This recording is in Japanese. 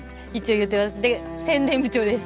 で宣伝部長です。